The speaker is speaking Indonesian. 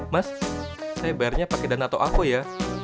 mas saya bayarnya pakai dana atau afo ya